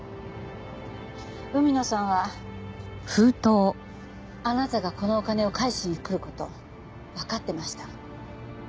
海野さんはあなたがこのお金を返しに来る事わかってました。